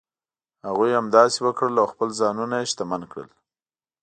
هغوی همداسې وکړل او خپل ځانونه شتمن کړل.